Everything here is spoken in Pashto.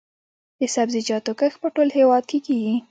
د سبزیجاتو کښت په ټول هیواد کې کیږي